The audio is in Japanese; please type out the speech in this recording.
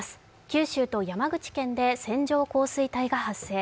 九州と山口県で線状降水帯が発生。